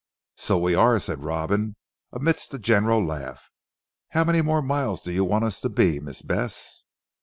"So we are," said Robin amidst a general laugh. "How many more miles do you want us to be Miss Bess?"